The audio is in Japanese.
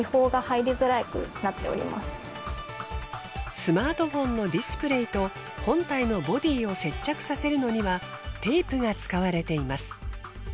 スマートフォンのディスプレイと本体のボディを接着させるのにはテープが使われています。